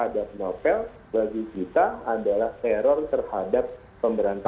bagi kita adalah teror terhadap pemberantasan korupsi